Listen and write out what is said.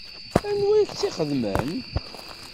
Anwa i k-tt-ixedmen?